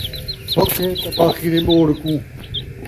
تھک ہے طباخی دے ٻوڑ کوں